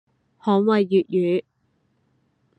捍衛粵語